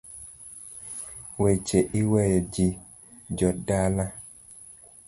Weche iweyo, ji jodala.